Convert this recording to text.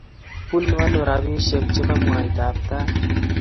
Bunuu ano robishe che bo mwaitab tait.